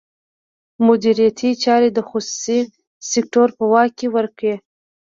مدیریتي چارې د خصوصي سکتور په واک کې ورکړي.